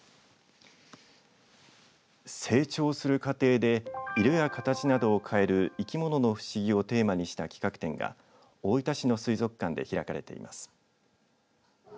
成長する過程で色や形などを変える生き物の不思議をテーマにした企画展が大分市の水族館で開かれています。